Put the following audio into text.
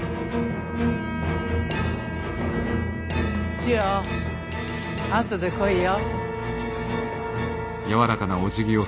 千代後で来いよ。